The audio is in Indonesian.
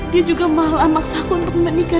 dia juga maha maksaku untuk menikah